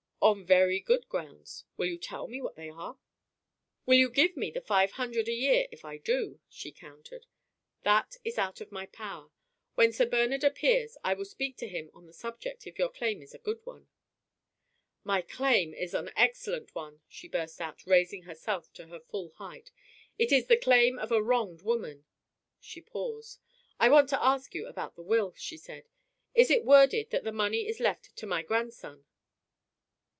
"On very good grounds." "Will you tell me what they are?" "Will you give me the five hundred a year if I do?" she countered. "That is out of my power. When Sir Bernard appears I will speak to him on the subject if your claim is a good one." "My claim is an excellent one," she burst out, raising herself to her full height. "It is the claim of a wronged woman!" She paused. "I want to ask you about the will," she said. "Is it worded that the money is left 'to my grandson.'"